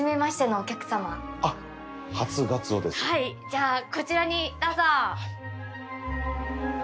じゃあこちらにどうぞ！